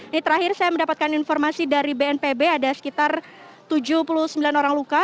ini terakhir saya mendapatkan informasi dari bnpb ada sekitar tujuh puluh sembilan orang luka